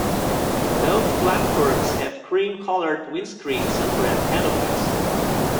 Both platforms have cream-colored windscreens and red canopies.